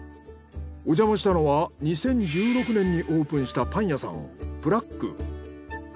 おじゃましたのは２０１６年にオープンしたパン屋さんＰｌｕｃｋ。